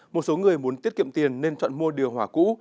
một số người muốn tiết kiệm tiền nên chọn mua điều hòa cũ